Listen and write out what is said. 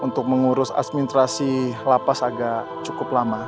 untuk mengurus administrasi lapas agak cukup lama